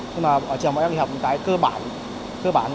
nhưng mà ở trường bọn em thì học một cái cơ bản